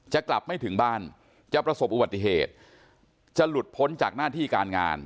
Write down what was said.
จะกลับไม่ถึงบ้านจะประสบอุบัติเหตุจะหลุดพ้นจากหน้าที่การงาน